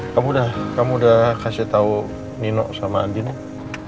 kamu udah kamu udah kasih tau nino sama anji nih